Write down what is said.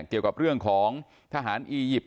เกี่ยวกับเรื่องของทหารอียิปต์